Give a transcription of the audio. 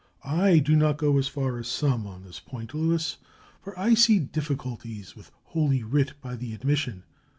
"I do not go as far as some, on this point, Luis, for I see difficulties with Holy Writ by the admission.